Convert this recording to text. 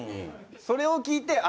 それを聞いてああ